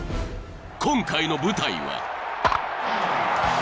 ［今回の舞台は］